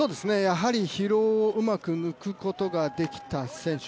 疲労をうまく抜くことができた選手。